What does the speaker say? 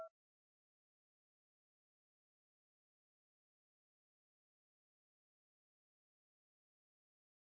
semoga lesat banyak ya